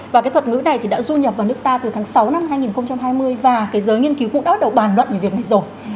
và cái thuật ngữ này thì đã du nhập vào nước ta từ tháng sáu năm hai nghìn hai mươi và giới nghiên cứu cũng đã bắt đầu bàn luận về việc này rồi